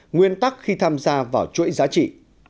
nguyên tắc khi tham gia vào chuỗi giá trị